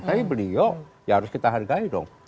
tapi beliau ya harus kita hargai dong